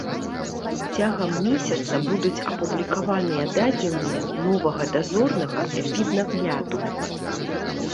Цягам месяца будуць апублікаваныя дадзеныя новага дазорнага эпіднагляду.